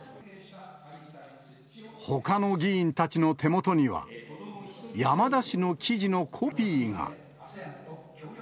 ほかの議員たちの手元には、山田氏の記事のコピーが。